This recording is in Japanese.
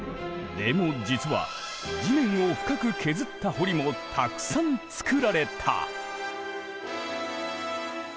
でも実は地面を深く削った堀もたくさんつくられた。